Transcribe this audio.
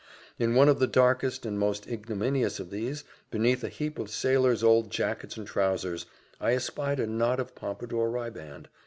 In one of the darkest and most ignominious of these, beneath a heap of sailors' old jackets and trowsers, I espied a knot of pompadour riband.